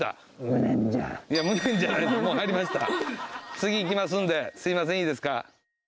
次行きますんですみませんいいですか？